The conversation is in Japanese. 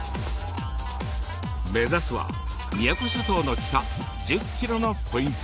目指すは宮古諸島の北１０ｋｍのポイント。